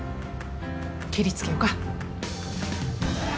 けりつけようか。